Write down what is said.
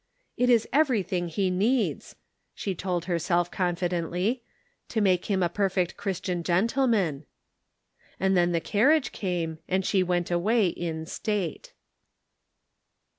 " It is everything he needs," she told herself confi dently, " to make him a perfect Christian gen tleman." And then the carriage came, and she went away in state.